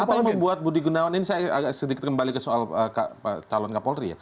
apa yang membuat budi gunawan ini saya sedikit kembali ke soal talon kapolri